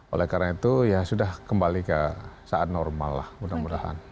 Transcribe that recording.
oleh karena itu ya sudah kembali ke saat normal lah mudah mudahan